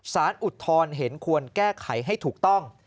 สารอุดทอนเห็นควรแก้ไขให้ถูกต้อง